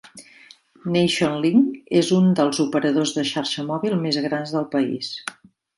Nationlink és una dels operadors de xarxa mòbil més grans del país.